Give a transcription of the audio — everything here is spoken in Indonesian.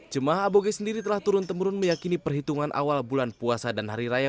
jemaah aboge sendiri telah turun temurun meyakini perhitungan awal bulan puasa dan hari raya